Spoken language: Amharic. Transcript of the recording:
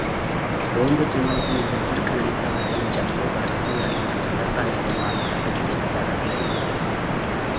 በወንዶች የማራቶን ውድድር ቀነኒሳ በቀለን ጨምሮ በርቀቱ የዓለማችን ፈጣን የሆኑ አራት አትሎቶች ተሳታፊ ይሆናሉ።